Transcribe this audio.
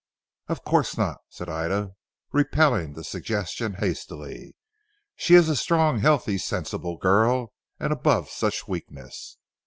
"Of course not," said Ida repelling the suggestion hastily, "she is a strong, healthy, sensible girl and above such weakness.